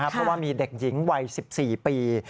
เพราะว่ามีเด็กหญิงวัย๑๔ปี